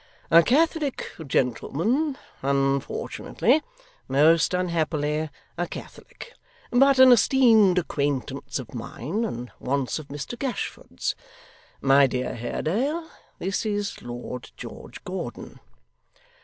'A Catholic gentleman unfortunately most unhappily a Catholic but an esteemed acquaintance of mine, and once of Mr Gashford's. My dear Haredale, this is Lord George Gordon.